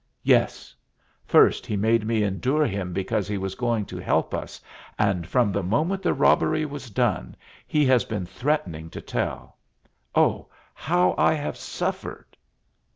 "Yes. First he made me endure him because he was going to help us, and from the moment the robbery was done, he has been threatening to tell. Oh, how I have suffered!"